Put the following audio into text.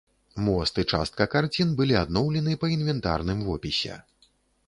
Мост і частка карцін былі адноўлены па інвентарным вопісе.